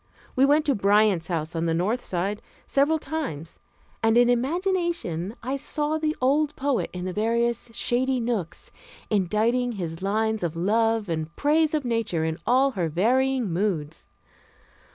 We went to Bryant's home on the north side, several times, and in imagination I saw the old poet in the various shady nooks, inditing his lines of love and praise of nature in all her varying moods.